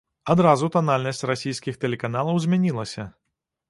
Адразу танальнасць расійскіх тэлеканалаў змянілася.